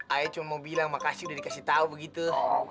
ay cuma mau bilang makasih udah dikasih tahu begitu